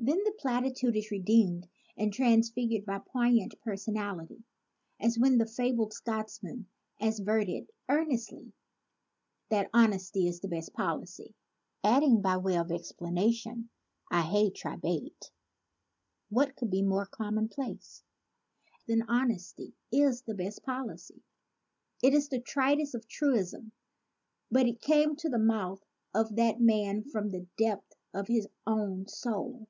Then the platitude is redeemed and transfig ured by poignant personality, as when the fabled Scotchman asseverated earnestly that 1 'Honesty is the best policy," adding by way of explanation, "I hae tried baith." What can be more commonplace than "honesty is the best policy"? It is the tritest of truisms, but it came to the mouth of that man from the depth of his own soul.